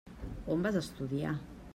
On vas estudiar?